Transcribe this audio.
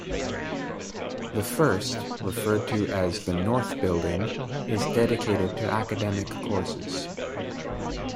The first, referred to as the North Building, is dedicated to academic courses.